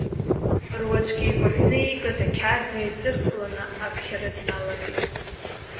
Руаӡәк еикәарҳәны иикыз ақьаад неиҵыртланы аԥхьара дналагеит.